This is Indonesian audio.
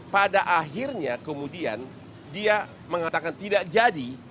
pada akhirnya kemudian dia mengatakan tidak jadi